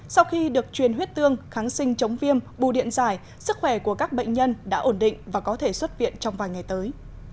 sau khi được truyền huyết tương kháng sinh chống viêm bù điện giải sức khỏe của các bệnh nhân đã ổn định và có thể xuất viện trong vài ngày tới